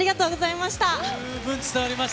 十分伝わりました。